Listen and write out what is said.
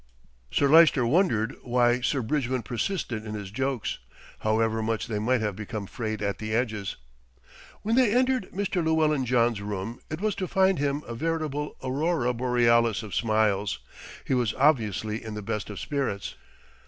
Sir Lyster wondered why Sir Bridgman persisted in his jokes, however much they might have become frayed at the edges. When they entered Mr. Llewellyn John's room it was to find him a veritable aurora borealis of smiles. He was obviously in the best of spirits.